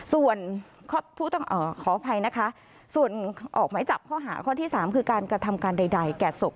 ส่วนผู้ต้องขออภัยนะคะส่วนออกหมายจับข้อหาข้อที่๓คือการกระทำการใดแก่ศพ